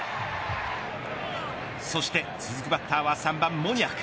そして続くバッターは３番、モニアク。